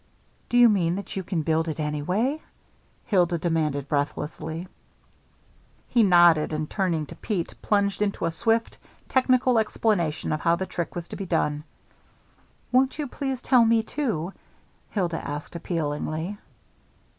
"Do you mean that you can build it anyway?" Hilda demanded breathlessly. He nodded, and, turning to Pete, plunged into a swift, technical explanation of how the trick was to be done. "Won't you please tell me, too?" Hilda asked appealingly.